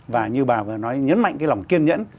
và như bà vừa nói nhấn mạnh cái lòng kiên nhẫn